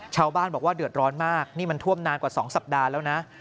ชาวบ้านบอกว่าเดือดร้อนมากนี่มันท่วมนานกว่า๒สัปดาห์แล้วนะ